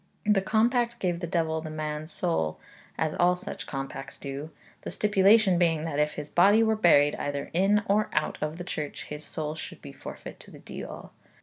The compact gave the devil the man's soul, as all such compacts do the stipulation being that if his body were buried either in or out of the church, his soul should be forfeit to the diawl.